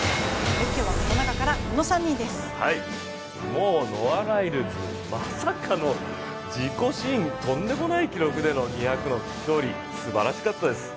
もうノア・ライルズ、まさかの自己新、とんでもない記録での２００の勝利、すばらしかったです。